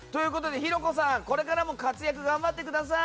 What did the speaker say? ひろこさん、これからも活躍頑張ってください！